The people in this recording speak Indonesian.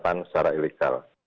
penangkapan secara ilegal